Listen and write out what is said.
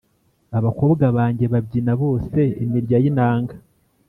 Abakobwa banjye babyina bose-Imirya y'inanga.